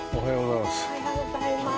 おはようございます。